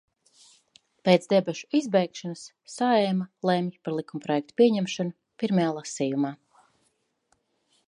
Pēc debašu izbeigšanas Saeima lemj par likumprojekta pieņemšanu pirmajā lasījumā.